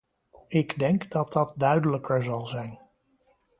Ik denk dat dat duidelijker zal zijn.